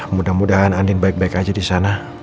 mudah mudahan andin baik baik aja di sana